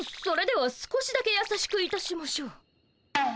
それでは少しだけやさしくいたしましょう。